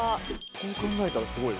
こう考えたらすごい。